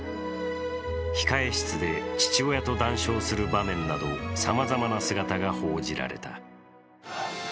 控え室で父親と談笑する場面など、さまざまな姿が報じられた。